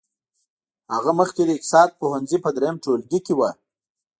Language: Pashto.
هغه مخکې د اقتصاد پوهنځي په دريم ټولګي کې وه.